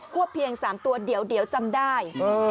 วบเพียง๓ตัวเดี๋ยวจำได้